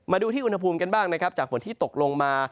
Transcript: มาดูที่อุณหภูมิกันบ้างนะครับจากฝนที่ตกลงมา